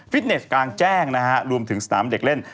เนสกลางแจ้งนะฮะรวมถึงสนามเด็กเล่น